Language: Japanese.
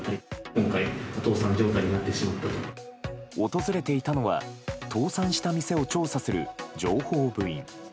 訪れていたのは倒産した店を調査する情報部員。